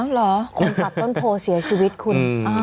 เหรอคนตัดต้นโพเสียชีวิตคุณ